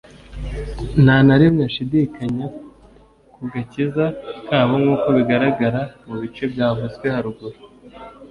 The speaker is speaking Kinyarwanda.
Nta na rimwe ashidikanya ku gakiza kabo nkuko bigaragara mu bice byavuzwe haruguru